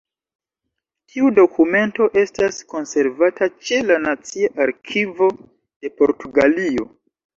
Tiu dokumento estas konservata ĉe la Nacia Arkivo de Portugalio.